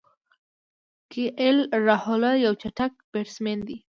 کی ایل راهوله یو چټک بیټسمېن دئ.